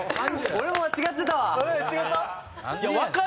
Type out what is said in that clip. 俺も間違ってたわ！